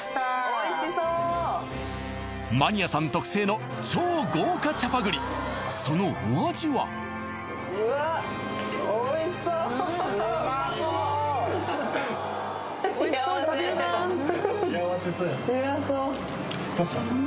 おいしそうマニアさん特製の超豪華チャパグリそのお味はうわっおいしそううまそううまそうどうですか？